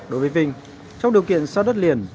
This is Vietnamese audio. đối với vinh trong điều kiện xa đất liền